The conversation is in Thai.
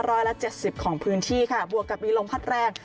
ร้อยละ๗๐ของพื้นที่ค่ะบวกกับมีลมพัดแรง